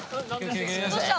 どうした？